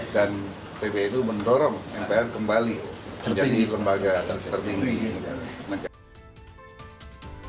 dan bbi itu mendorong mpr kembali menjadi lembaga tertinggi